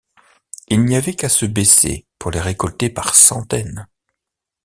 Il n’y avait qu’à se baisser pour les récolter par centaines.